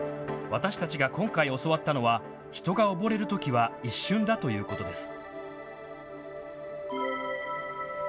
私たちが今回、教わったのは人が溺れるときは一瞬だということです。